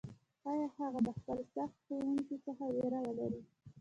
ښايي هغه د خپل سخت ښوونکي څخه ویره ولري،